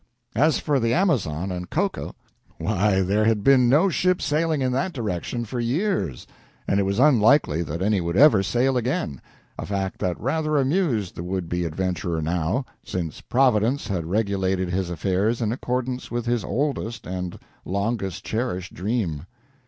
As for the Amazon and cocoa, why, there had been no ship sailing in that direction for years, and it was unlikely that any would ever sail again, a fact that rather amused the would be adventurer now, since Providence had regulated his affairs in accordance with his oldest and longest cherished dream.